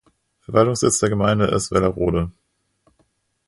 Verwaltungssitz der Gemeinde ist Wellerode.